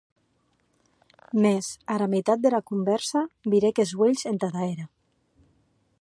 Mès, ara mitat dera convèrsa, virèc es uelhs entada era.